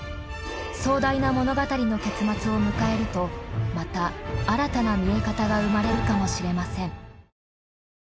壮大な物語の結末を迎えるとまた新たな見え方が生まれるかもしれません。